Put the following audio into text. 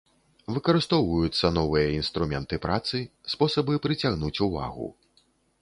Выкарыстоўваюцца новыя інструменты працы, спосабы прыцягнуць увагу.